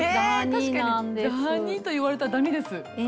確かに「ダニ」と言われたらダニです。